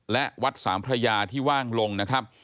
และวัดสามพระยาที่ว่างลงนะครับ